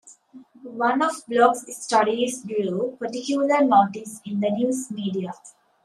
One of Block's studies drew particular notice in the news media.